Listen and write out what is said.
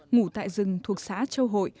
ngủ tại rừng thuộc xã châu hội